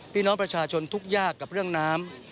พี่น้องประชาชนทุกข์ยากกับเรื่องน้ำ